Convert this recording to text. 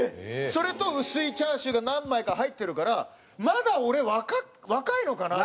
それと薄いチャーシューが何枚か入ってるからまだ俺若いのかな？と。